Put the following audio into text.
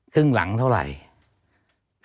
ครึ่งหลังเท่าไหร่